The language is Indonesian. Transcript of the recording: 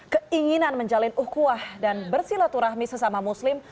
keinginan menjalin uhkuah dan bersilaturahmi sesama muslim